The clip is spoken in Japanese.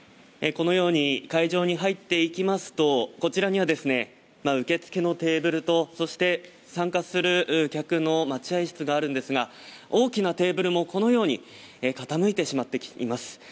このように会場に入っていきますとこちらには受付のテーブルとそして、参加する客の待合室があるんですが大きなテーブルもこのように傾いてしまっています。